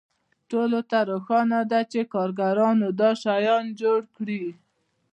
ټولو ته روښانه ده چې کارګرانو دا شیان جوړ کړي